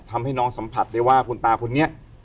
ทำให้น้องสัมผัสได้ว่าคุณตาคนนี้